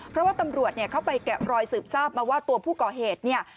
เพราะว่าตำรวจเนี่ยเข้าไปแกะรอยสืบทราบมาว่าตัวผู้ก่อเหตุเนี่ย